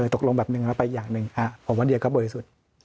ตกลงแบบหนึ่งแล้วไปอย่างหนึ่งผมว่าเดียก็บริสุทธิ์